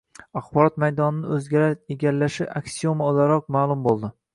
axborot maydonini «o‘zgalar» egallashi aksioma o‘laroq ma’lum bo‘ldi.